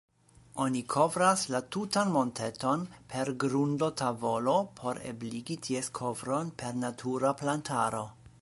Oni kovras la tutan monteton per grundotavolo por ebligi ties kovron per natura plantaro.